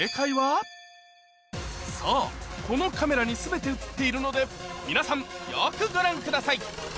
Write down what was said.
そうこのカメラに全て映っているので皆さんよくご覧ください